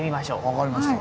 分かりました。